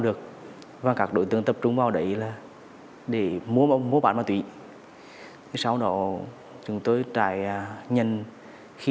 được và các đối tượng tập trung vào đấy là để mua bán ma túy sau đó chúng tôi trải nhận khi